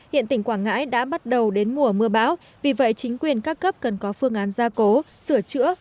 hiện tỉnh quảng ngãi đã bắt đầu đến mùa mưa bão vì vậy chính quyền các cấp cần có phương án gia cố sửa chữa